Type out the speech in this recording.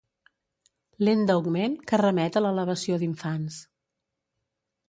Lent d'augment que remet a l'elevació d'infants.